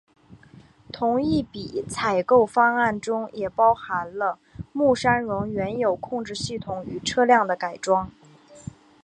同一笔采购案中也包含了木栅线原有控制系统与车辆的改装。